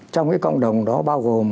trong cái cộng đồng đó bao gồm